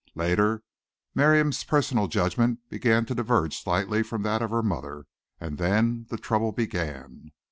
Later, Miriam's personal judgment began to diverge slightly from that of her mother and then trouble began.